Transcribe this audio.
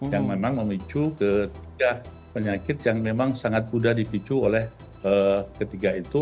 yang memang memicu ketiga penyakit yang memang sangat mudah dipicu oleh ketiga itu